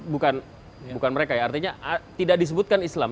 bukan bukan mereka ya artinya tidak disebutkan islam